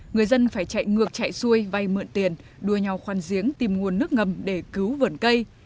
người dân phải chạy ngược chạy xuôi vay mượn tiền đua nhau khoan giếng tìm nguồn nước ngầm để cứu vườn cây